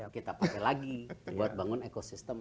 kita pakai lagi buat bangun ekosistem